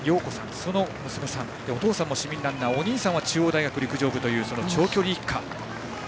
お父さんも市民ランナーお兄さんは中央大学陸上部という長距離一家。